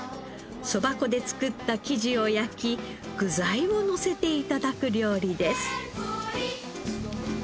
そば粉で作った生地を焼き具材をのせて頂く料理です。